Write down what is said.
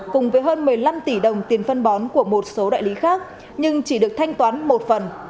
cùng với hơn một mươi năm tỷ đồng tiền phân bón của một số đại lý khác nhưng chỉ được thanh toán một phần